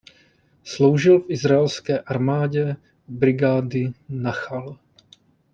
Sloužil v izraelské armádě u brigády nachal.